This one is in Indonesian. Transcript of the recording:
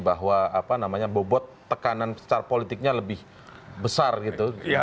bahwa bobot tekanan secara politiknya lebih besar gitu